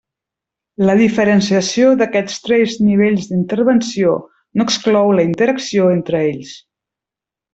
La diferenciació d'aquests tres nivells d'intervenció no exclou la interacció entre ells.